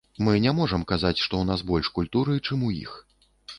І мы не можам казаць, што ў нас больш культуры, чым у іх.